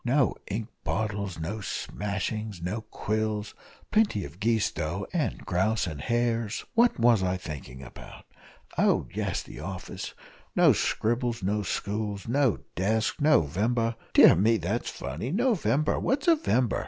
no ink bottles, no smashings, no quills, plenty of geese, though, and grouse and hares what was I thinking about? Oh, yes the office no scribbles no stools, no desks, No vember dear me, that's funny! No vember what's a vember?